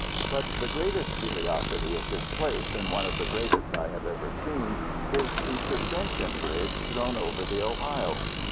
But the greatest curiosity at this place, and one of the greatest I have ever seen, is the suspension bridge thrown over the Ohio.